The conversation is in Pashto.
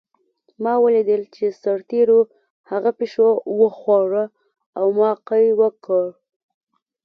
ما ولیدل چې سرتېرو هغه پیشو وخوړه او ما قی وکړ